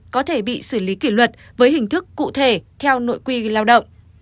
có thể bị xử lý kỷ luật với hình thức cụ thể theo nội quy lao động